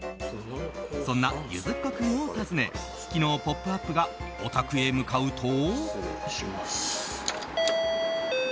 そんな、ゆづっこ君を訪ね昨日「ポップＵＰ！」がお宅へ向かうと。